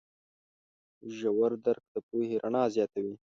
ژور درک د پوهې رڼا زیاتوي.